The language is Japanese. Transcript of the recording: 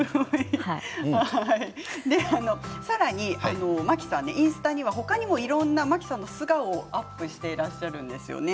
さらに真木さんはインスタにも他にも、いろんな真木さんの素顔をアップしていらっしゃるんですよね。